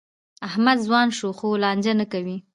احمد ځوان شو؛ خو لانجه نه کوي.